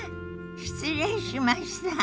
失礼しました。